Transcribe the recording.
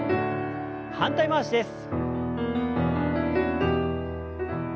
反対回しです。